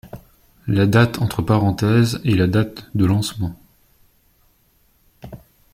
La date entre parenthèses est la date de lancement.